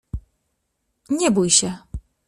— Nie bój się.